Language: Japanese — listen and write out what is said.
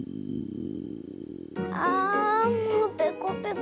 ああもうペコペコ。